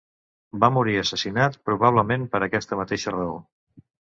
Va morir assassinat probablement per aquesta mateixa raó.